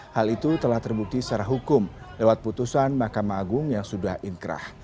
hal itu telah terbukti secara hukum lewat putusan mahkamah agung yang sudah inkrah